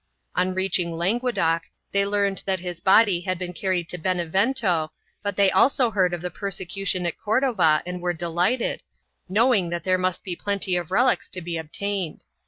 On reaching Languedoc they learned that his body had been carried to Benevento, but they also heard of the persecution at Cordova and were delighted, know ing that there must be plenty of relics to be obtained.